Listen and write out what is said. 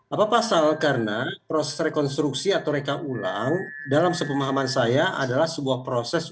apa pasal karena proses rekonstruksi atau rekam ulang dalam sepemahaman saya adalah sebuah proses